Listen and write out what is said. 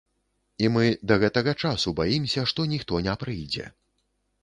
І мы да гэтага часу баімся, што ніхто не прыйдзе.